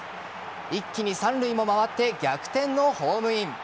一気に三塁も回って逆転のホームイン。